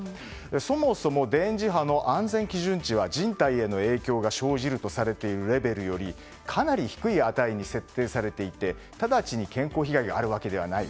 そもそも電磁波の安全基準値は人体への影響が生じるとされているレベルよりかなり低い値に設定されていて直ちに健康被害があるわけではない。